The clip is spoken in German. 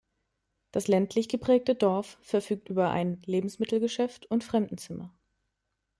Das ländlich geprägte Dorf verfügt über ein Lebensmittelgeschäft und Fremdenzimmer.